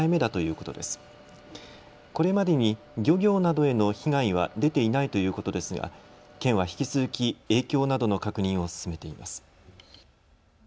これまでに漁業などへの被害は出ていないということですが県は引き続き影響などの確認を進めています。